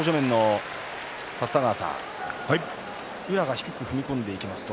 立田川さん、宇良が低く踏み込んでいきました。